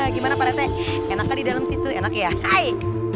gimana pak retnya enak kan di dalam situ enak ya hai